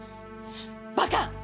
バカ！